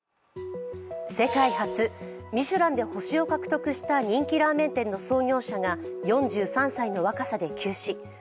世界初、ミシュランで星を獲得した人気ラーメン店の創業者が４３歳の若さで急死。